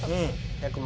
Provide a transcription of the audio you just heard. １００万